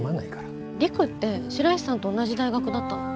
陸って白石さんと同じ大学だったの？